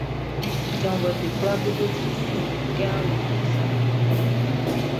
Janvuɛʼm be kwlaa be bo ti kun kɛ awlobo sa.